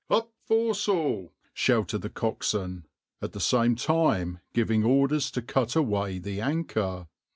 \par "Up foresail!" shouted the coxswain, at the same time giving orders to cut away the anchor.